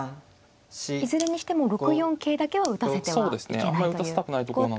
いずれにしても６四桂だけは打たせてはいけないという。